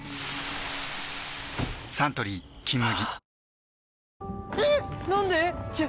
サントリー「金麦」